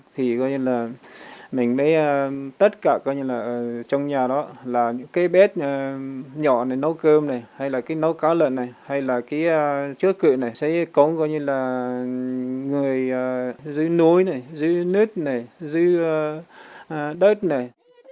thì coi như là mình mới tất cả coi như là ở trong nhà đó là những cái bếp nhỏ này nấu cơm này hay là cái nấu cá lợn này hay là cái trước cự này sẽ có coi như là người dưới núi này dưới nớt này dưới đất này